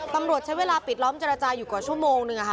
ตำรวจใช้เวลาปิดล้อมเจรจาอยู่กว่าชั่วโมงนึง